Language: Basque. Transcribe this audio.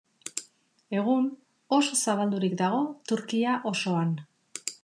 Egun oso zabaldurik dago Turkia osoan.